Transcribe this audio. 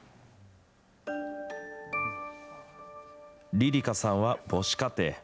梨々花さんは母子家庭。